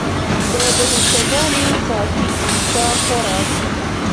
د بهشته جانې صافی پیزا خوراک.